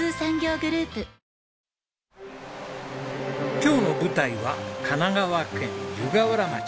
今日の舞台は神奈川県湯河原町。